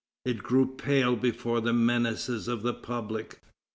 It grew pale before the menaces of the public.